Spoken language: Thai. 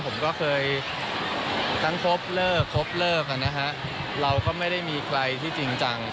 ผมก็เคยทั้งครบเลิกครบเลิกนะฮะเราก็ไม่ได้มีใครที่จริงจัง